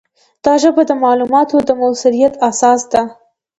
دا ژبه د معلوماتو د موثریت اساس ده.